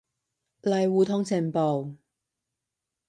嚟互通情報